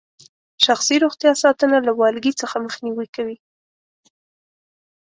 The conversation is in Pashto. شخصي روغتیا ساتنه له والګي څخه مخنیوي کوي.